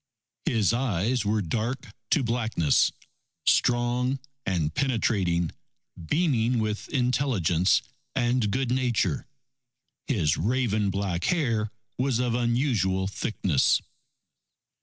His eyes were dark to blackness, strong and penetrating, beaming with intelligence and good nature. His raven black hair was of unusual thickness.